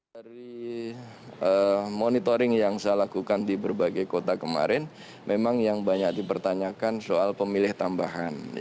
dari monitoring yang saya lakukan di berbagai kota kemarin memang yang banyak dipertanyakan soal pemilih tambahan